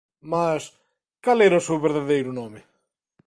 Mais, cal era o seu verdadeiro nome?